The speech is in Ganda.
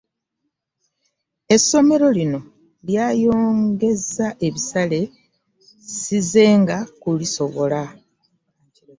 Essomero lino lyayongeeza ebisale, sizenga ku lisobola.